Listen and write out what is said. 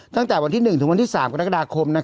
ตั้งแต่วันที่๑ถึงวันที่๓กรกฎาคม